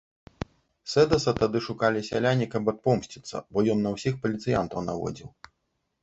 Сэдаса тады шукалі сяляне, каб адпомсціцца, бо ён на ўсіх паліцыянтаў наводзіў.